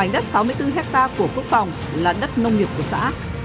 đất nông nghiệp của quốc phòng là đất nông nghiệp của xã